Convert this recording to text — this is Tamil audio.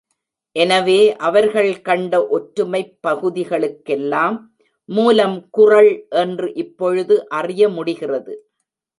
எனவே அவர்கள் கண்ட ஒற்றுமைப் பகுதிகளுக்கெல்லாம் மூலம் குறள் என்று இப்பொழுது அறிய முடிகிறது.